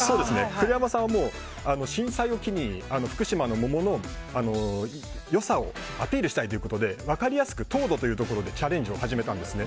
古山さんは震災を機に福島の桃の良さをアピールしたいということで分かりやすく糖度というところでチャレンジを始めたんです。